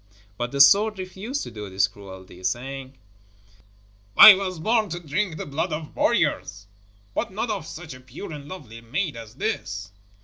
But the sword refused to do this cruel deed, saying: 'I was born to drink the blood of warriors, but not of such a pure and lovely maid as this.'